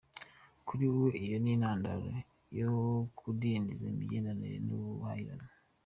Kuri we, iyo ni intandaro yo kudindiza imigenderanire n’ubuhahirane.